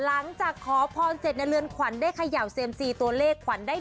หลังจากขอพรเสร็จในเรือนขวัญได้เขย่าเซียมซีตัวเลขขวัญได้